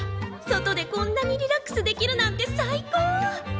外でこんなにリラックスできるなんて最高！